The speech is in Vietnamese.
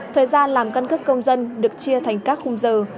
thời gian làm căn cước công dân được chia thành các khung giờ